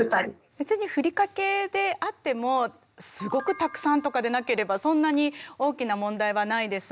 別にふりかけであってもすごくたくさんとかでなければそんなに大きな問題はないです。